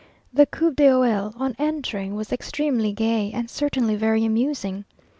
The coup d'oeil on entering was extremely gay, and certainly very amusing.